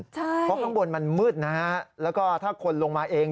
เพราะข้างบนมันมืดนะฮะแล้วก็ถ้าคนลงมาเอง